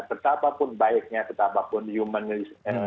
ketapapun baiknya ketapapun humanis